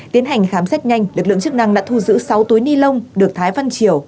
tiến hành khám xét nhanh lực lượng chức năng đã thu giữ sáu túi ni lông được thái văn triều